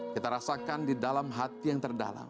kita rasakan di dalam hati yang terdalam